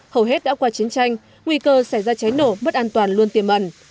hầu hết đã qua chiến tranh nguy cơ xảy ra cháy nổ mất an toàn luôn tiềm ẩn